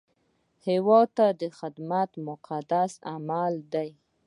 هیواد ته خدمت مقدس عمل دی